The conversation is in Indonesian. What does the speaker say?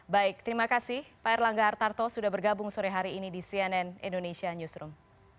baik terima kasih pak erlangga hartarto sudah bergabung sore hari ini di cnn indonesia newsroom